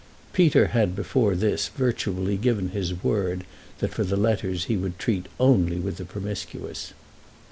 Peter had before this virtually given his word that for the letters he would treat only with the Promiscuous.